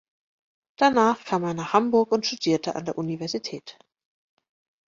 Danach kam er nach Hamburg und studierte an der Universität.